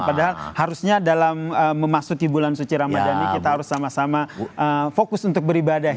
padahal harusnya dalam memasuki bulan suci ramadan ini kita harus sama sama fokus untuk beribadah